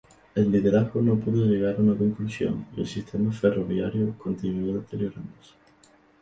El liderazgo no pudo llegar a una conclusión y el sistema ferroviario continuó deteriorándose.